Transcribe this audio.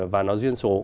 và nó duyên số